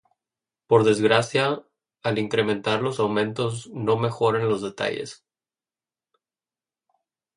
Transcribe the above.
Por desgracia, al incrementar los aumentos no mejoran los detalles.